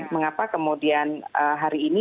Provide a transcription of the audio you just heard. mengapa kemudian hari ini